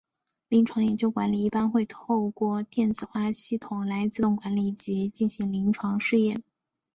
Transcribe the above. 临床研究管理一般会透过电子化系统来自动管理及进行临床试验。